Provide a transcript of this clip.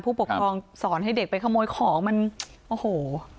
ผู้ปกครองสอนให้เด็กไปขโมยของมันโอ้โห